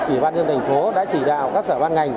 ủy ban nhân thành phố đã chỉ đạo các sở ban ngành